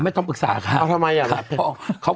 ไม่ต้องปรึกษาค่ะ